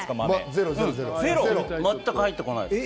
全く入ってこないよ。